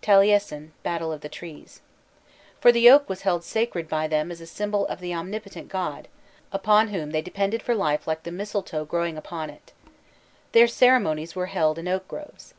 TALIESIN: Battle of the Trees. for the oak was held sacred by them as a symbol of the omnipotent god, upon whom they depended for life like the mistletoe growing upon it. Their ceremonies were held in oak groves.